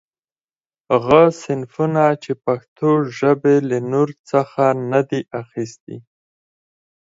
غه صنفونه، چي پښتوژبي له نورڅخه نه دي اخستي.